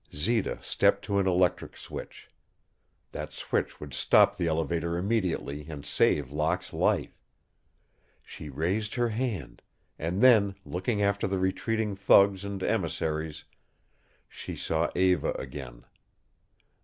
Zita stepped to an electric switch. That switch would stop the elevator immediately and save Locke's life. She raised her hand and then, looking after the retreating thugs and emissaries, she saw Eva again.